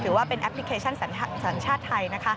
ถือว่าเป็นแอปพลิเคชันสัญชาติไทย